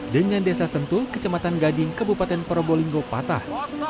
dengan desa sentul kecamatan gading kebupaten probolinggo patah